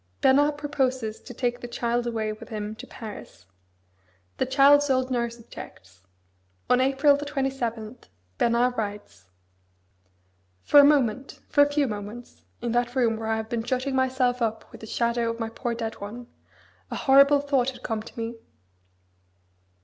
Bernard proposes to take the child away with him to Paris. The child's old nurse objects. On April the twenty seventh, Bernard writes: For a moment for a few moments in that room where I have been shutting myself up with the shadow of my poor dead one, a horrible thought had come to me.